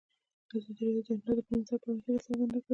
ازادي راډیو د هنر د پرمختګ په اړه هیله څرګنده کړې.